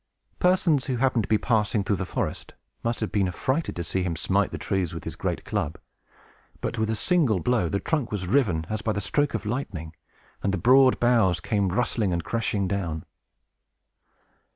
Persons who happened to be passing through the forest must have been affrighted to see him smite the trees with his great club. With but a single blow, the trunk was riven as by the stroke of lightning, and the broad boughs came rustling and crashing down.